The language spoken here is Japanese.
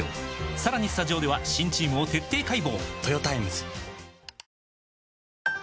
さらにスタジオでは新チームを徹底解剖！